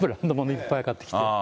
いっぱい買ってきて。